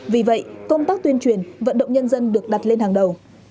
vì vậy công tác tuyên truyền vận động nhân dân được đặt lên hàng đầu